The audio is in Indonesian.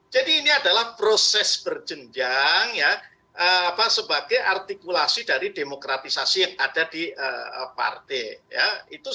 jadi ini adalah proses berjenjang sebagai artikulasi dari demokratisasi yang ada di partai